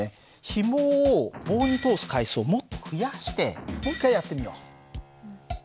ひもを棒に通す回数をもっと増やしてもう一回やってみよう。